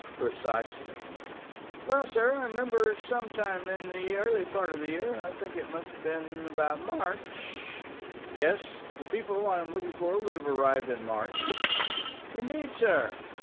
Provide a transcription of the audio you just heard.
"Precisely." "Well, sir, I remember some time in the early part of the year, I think it must have been about March " "Yes, the people I am looking for would have arrived in March." "Indeed, sir!